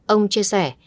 ông chia sẻ